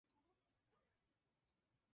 Habita en Carolina.